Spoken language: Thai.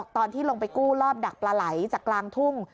ตอนที่ลงไปกู้รอบดักปลาไหลจากกลางทุ่ง